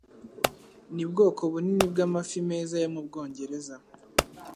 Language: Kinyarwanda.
Ni bwoko bunini bw'amafi meza yo mu Bwongereza